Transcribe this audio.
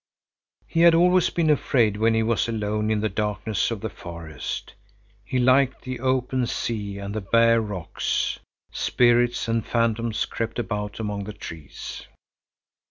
He had always been afraid when he was alone in the darkness of the forest. He liked the open sea and the bare rocks. Spirits and phantoms crept about among the trees.